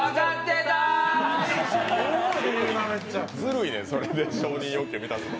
ずるいねん、それで承認欲求満たすの。